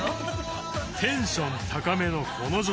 テンション高めのこの女性。